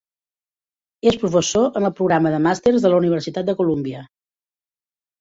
És professor en el programa de màsters de la Universitat de Colúmbia.